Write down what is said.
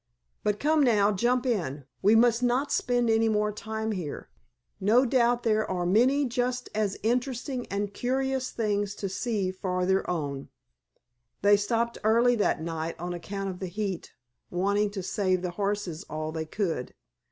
But come now, jump in, we must not spend any more time here. No doubt there are many just as interesting and curious things to see farther on." They stopped early that night on account of the heat, wanting to save the horses all they could.